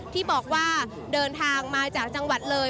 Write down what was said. ที่บอกว่าเดินทางมาจากจังหวัดเลย